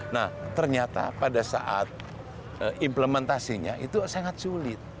nah ternyata pada saat implementasinya itu sangat sulit